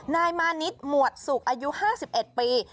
นายมานิดหมวดสุกอายุ๕๑ปี